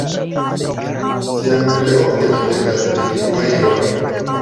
Tiam tre ofte mi petas de li fajron.